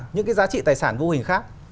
những cái giá trị tài sản vô hình khác